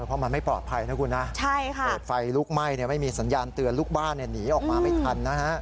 เพราะมันไม่ปลอดภัยนะคุณนะเกิดไฟลุกไหม้ไม่มีสัญญาณเตือนลูกบ้านหนีออกมาไม่ทันนะฮะ